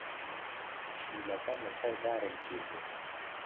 پشیلەکەم لەسەر دارێک گیر بوو.